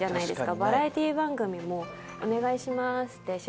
バラエティー番組もお願いします！